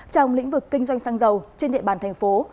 trong lĩnh vực kinh doanh xăng dầu trên địa bàn thành phố